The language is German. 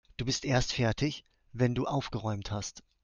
Du bist erst fertig, wenn du aufgeräumt hast.